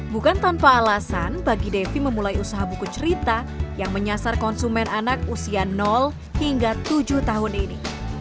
bukan tanpa alasan bagi devi memulai usaha buku cerita yang menyasar konsumen anak usia hingga tujuh tahun ini